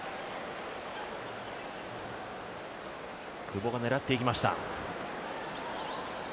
久保が狙っていきました。